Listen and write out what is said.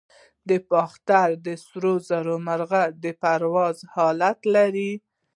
د باختر د سرو زرو مرغۍ د پرواز حالت لري